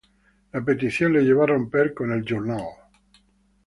La petición le llevó a romper con el "Journal".